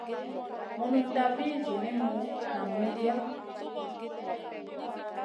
Mununda vih zinimu nam midia.